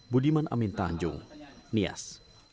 budiman amin tanjung nias